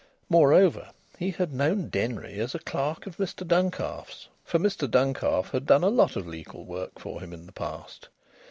Moreover, he had known Denry as a clerk of Mr Duncalf's, for Mr Duncalf had done a lot of legal work for him in the past.